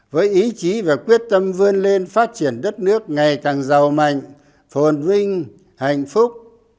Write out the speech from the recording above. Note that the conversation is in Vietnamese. với ý chí và quyết tâm vươn lên phát triển đất nước ngày càng giàu mạnh phồn vinh hạnh phúc